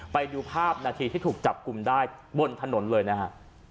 ไปดูภาพนาทีที่ถูกจับกลุ่มได้บนถนนเลยนะฮะ